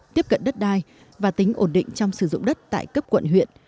tiếp cận đất đai và tính ổn định trong sử dụng đất tại cấp quận huyện